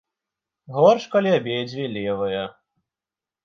Горш, калі абедзве левыя.